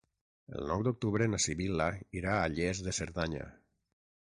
El nou d'octubre na Sibil·la irà a Lles de Cerdanya.